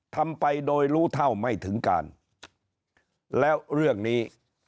ทำไปโดยรู้เท่าไม่ถึงการแล้วเรื่องนี้